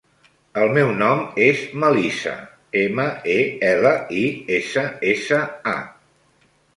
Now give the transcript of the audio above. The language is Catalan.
El meu nom és Melissa: ema, e, ela, i, essa, essa, a.